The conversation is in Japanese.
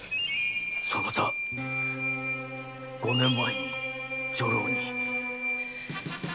そなた五年前に女郎に。